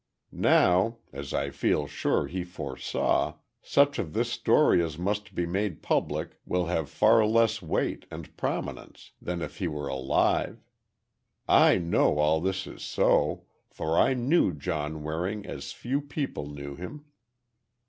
"Now—as I feel sure he foresaw—such of this story as must be made public will have far less weight and prominence, than if he were alive. I know all this is so—for, I knew John Waring as few people knew him."